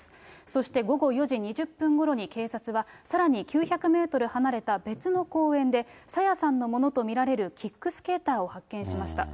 そして、午後４時２０分ごろに、警察がさらに９００メートル離れた別の公園で、朝芽さんのものと見られるキックスケーターを発見しました。